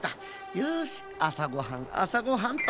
よしあさごはんあさごはんっと。